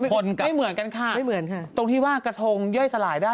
ก็คือว่าฉลาด